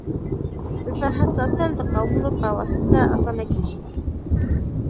د سرحد ساتل د قومونو په واسطه اسانه کيږي.